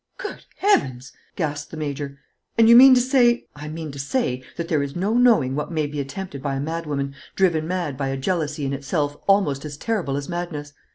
"Good Heavens!" gasped the Major. "And you mean to say " "I mean to say, that there is no knowing what may be attempted by a madwoman, driven mad by a jealousy in itself almost as terrible as madness.